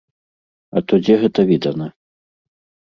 А то дзе гэта відана.